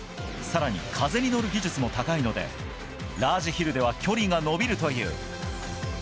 さらに風に乗る技術も高いので、ラージヒルでは距離が伸びるという。